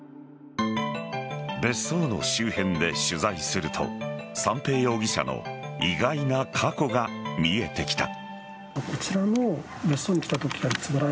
別荘の周辺で取材すると三瓶容疑者の意外な過去が見えてきた。